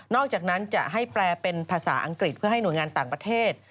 อกจากนั้นจะให้แปลเป็นภาษาอังกฤษเพื่อให้หน่วยงานต่างประเทศ